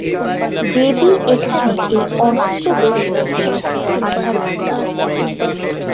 দেবী এখানে এই অনন্ত বৈষ্ণবী শক্তির আধারভুতা।